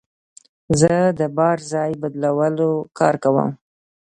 زه د بار ځای بدلولو کار کوم.